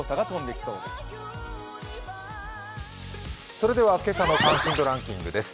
それでは今朝の関心度ランキングです。